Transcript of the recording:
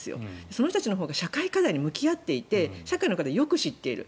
その人たちのほうが社会課題に向き合っていて社会をよく見ている。